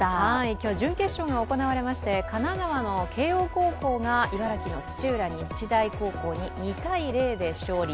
今日は準決勝が行われまして神奈川の慶応高校が茨城の土浦日大高校に２−０で勝利。